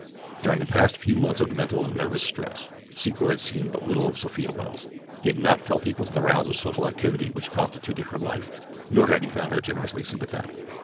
During the past few months of mental and nervous stress Secor had seen but little of Sophia Welles. He had not felt equal to the rounds of social activity which constituted her life, nor had he found her generously sympathetic.